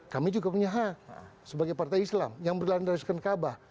kami juga punya hak sebagai partai islam yang berlandariskan kaabah